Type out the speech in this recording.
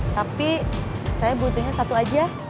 tapi saya butuhnya satu aja